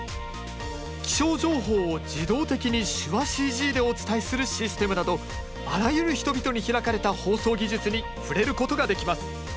気象情報を自動的に手話ＣＧでお伝えするシステムなどあらゆる人々に開かれた放送技術に触れることができます。